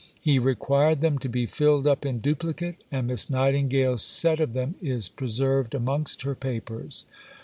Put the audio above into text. He required them to be filled up in duplicate, and Miss Nightingale's set of them is preserved amongst her Papers.